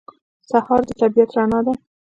سهار د طبیعت رڼا ده.